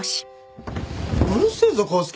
うるせえぞ康介。